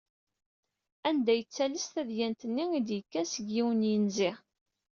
Anda i d-yettales tadyant-nni i d-yekkan seg yiwen n yinzi.